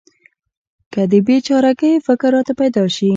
که د بې چاره ګۍ فکر راته پیدا شي.